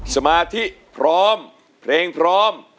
สมาธิพร้อมเพลงพร้อม